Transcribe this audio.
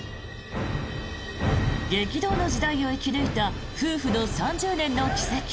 激動の時代を生き抜いた夫婦の３０年の軌跡。